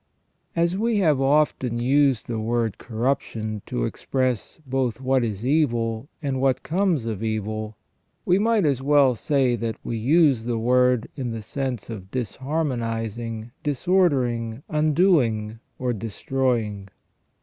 As we have so often used the word corruption to express both what is evil and what comes of evil, we might as well say that we use the word in the sense of disharmonizing, disordering, undoing, or destroying.